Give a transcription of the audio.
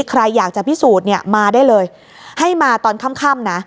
ใครอยากจะพิสูจน์เนี่ยมาได้เลยให้มาตอนค่ำนะ